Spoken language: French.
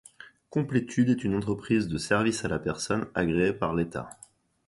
Complétude est une entreprise de services à la personne agréée par l'État.